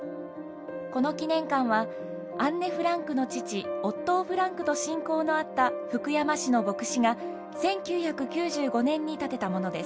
この記念館はアンネ・フランクの父オットー・フランクと親交のあった福山市の牧師が１９９５年に建てたものです。